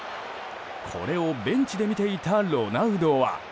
これをベンチで見ていたロナウドは。